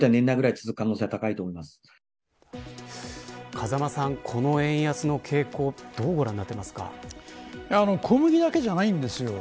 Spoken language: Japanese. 風間さん、この円安の傾向小麦だけでないんですよ。